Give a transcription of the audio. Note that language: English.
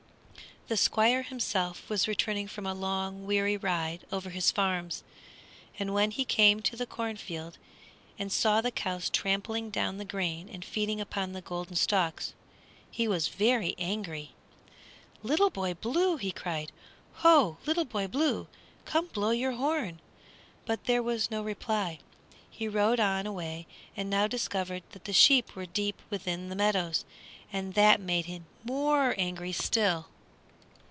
The Squire himself was returning from a long, weary ride over his farms, and when he came to the cornfield and saw the cows trampling down the grain and feeding upon the golden stalks he was very angry. "Little Boy Blue!" he cried; "ho! Little Boy Blue, come blow your horn!" But there was no reply. He rode on a way and now discovered that the sheep were deep within the meadows, and that made him more angry still.